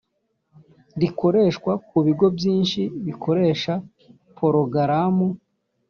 rikoreshwa ku bigo byinshi bikoresha porogaramu